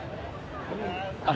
あれ？